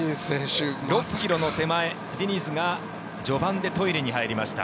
６ｋｍの手前、ディニズが序盤でトイレに入りました。